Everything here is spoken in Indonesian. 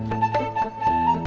apa udah pada pulang